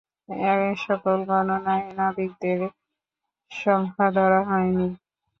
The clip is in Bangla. এসকল গণনায় নাবিকদের সংখ্যা ধরা হয়নি।